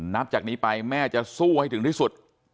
นับจากนี้ไปแม่จะสู้ให้ถึงที่สุด